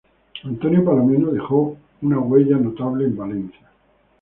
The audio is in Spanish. Antonio Palomino dejó una huella notable en Valencia.